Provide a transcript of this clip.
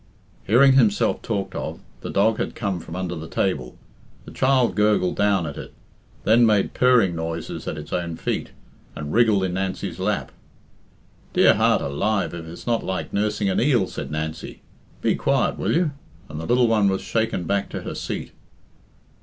Hearing himself talked of, the dog had come from under the table. The child gurgled down at it, then made purring noises at its own feet, and wriggled in Nancy's lap. "Dear heart alive, if it's not like nursing an eel," said Nancy. "Be quiet, will you?" and the little one was shaken back to her seat.